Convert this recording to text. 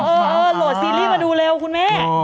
หลวงซีรีส์มาดูเร็วคุณแม่